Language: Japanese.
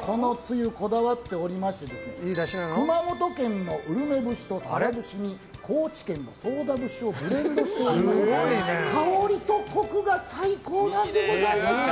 このつゆ、こだわっておりまして熊本県のウルメ節とサバ節に高知県のソウダ節をブレンドして香りとコクが最高なんでございます。